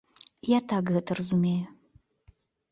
Я так гэта разумею.